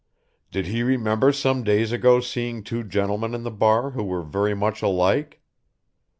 "Did he remember some days ago seeing two gentlemen in the bar who were very much alike?"